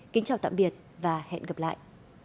kính chào tạm biệt và hẹn gặp lại